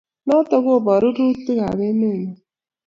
Notok kobooru rurutiikab emenyo.